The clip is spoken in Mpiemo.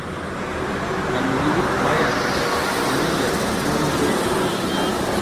Alugi y buaya ri binjagala mori yɛɛya.